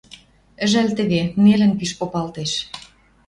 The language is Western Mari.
Ӹжӓл теве, нелӹн пиш попалтеш